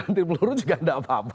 anti peluru juga tidak apa apa